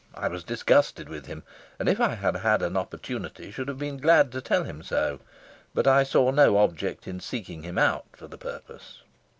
I was disgusted with him, and if I had had an opportunity should have been glad to tell him so, but I saw no object in seeking him out for the purpose.